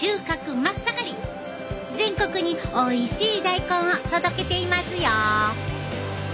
全国においしい大根を届けていますよ。